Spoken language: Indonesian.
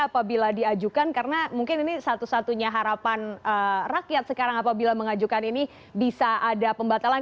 apabila diajukan karena mungkin ini satu satunya harapan rakyat sekarang apabila mengajukan ini bisa ada pembatalan